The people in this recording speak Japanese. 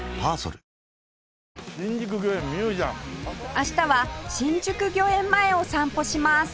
明日は新宿御苑前を散歩します